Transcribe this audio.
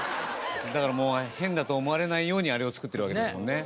だからもう変だと思われないようにあれを作ってるわけですもんね。